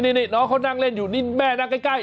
นี่น้องเขานั่งเล่นอยู่นี่แม่นั่งใกล้